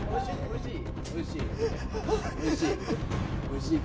おいしい？